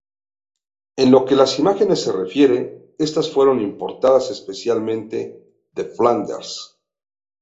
En lo que las imágenes se refiere, estas fueron importadas, especialmente de Flandes.